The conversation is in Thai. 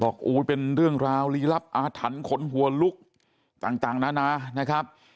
เป็นเรื่องราวลีลับอาถรรพ์ขนหัวลุกต่างนานานะครับ